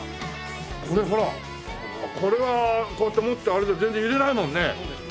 これほらこれはこうやって持って歩いても全然揺れないもんね。